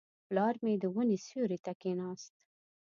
پلار مې د ونې سیوري ته کښېناست.